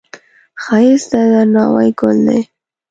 ښایست د درناوي ګل دی